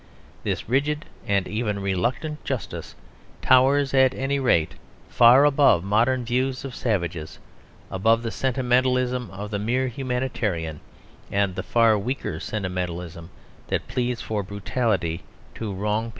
This rigid and even reluctant justice towers, at any rate, far above modern views of savages, above the sentimentalism of the mere humanitarian and the far weaker sentimentalism that pleads for brutality and a race war.